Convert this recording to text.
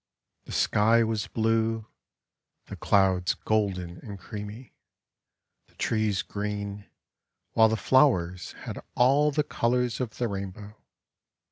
The Sky was blue, the Clouds golden and creamy, the trees green, while the flowers had all the colours of the Rainbow.